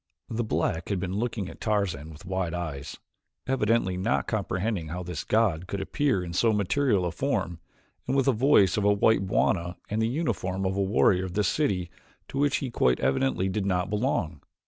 The black had been looking at Tarzan with wide eyes, evidently not comprehending how this god could appear in so material a form, and with the voice of a white bwana and the uniform of a warrior of this city to which he quite evidently did not belong.